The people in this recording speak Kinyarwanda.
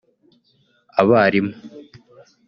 abalimu